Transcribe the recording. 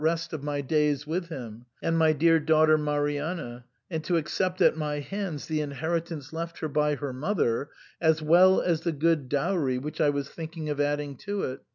rest of my days with him, and my dear daughter Marianna, and to accept at my hands the inheritance left her by her mother, as well as the good dowry which I was thinking of adding to it.